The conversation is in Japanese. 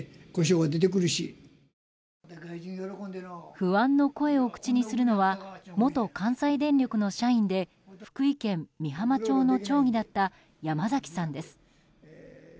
不安の声を口にするのは元関西電力の社員で福井県美浜町の町議だった山崎さんです。